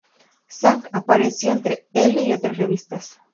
Zhang apareció en "Elle" y otras revistas.